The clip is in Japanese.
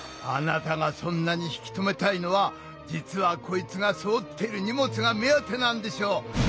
あなたがそんなに引き止めたいのはじつはこいつがせおっている荷物が目当てなんでしょう。